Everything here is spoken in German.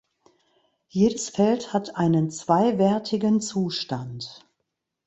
Jedes Feld hat einen zweiwertigen Zustand.